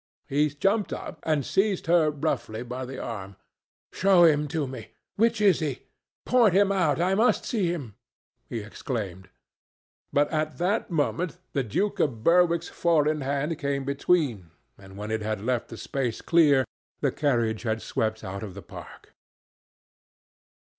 He jumped up and seized her roughly by the arm. "Show him to me. Which is he? Point him out. I must see him!" he exclaimed; but at that moment the Duke of Berwick's four in hand came between, and when it had left the space clear, the carriage had swept out of the park.